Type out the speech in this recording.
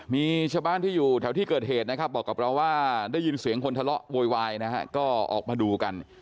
มีชาวบ้านที่อยู่แถวที่เกิดเหตุนะครับบอกกับเราว่าได้ยินเสียงคนทะเลาะโวยวายนะฮะก็ออกมาดูกัน